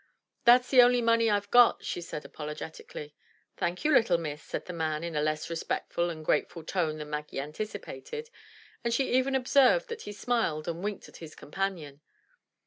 That*s the only money I've got," she said apologetically. "Thank you, little miss,'* said the man in a less respectful and grateful tone than Maggie anticipated, and she even observed that he smiled and winked at his companion.